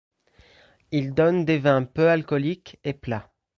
Il donne des vins peu alcooliques et plats.